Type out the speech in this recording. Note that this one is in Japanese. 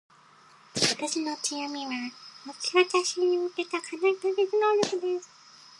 私の強みは、目標達成に向けた課題解決能力です。